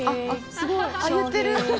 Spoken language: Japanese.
すごい言ってる。